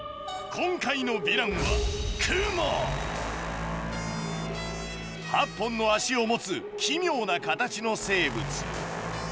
今回のヴィランは８本の脚を持つ奇妙な形の生物。